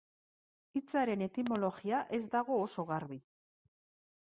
Hitzaren etimologia ez dago oso garbi.